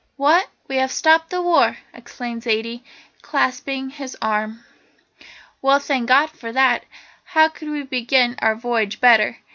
"What? We have stopped the war!" exclaimed Zaidie, clasping his arm. "Well, thank God for that. How could we begin our voyage better?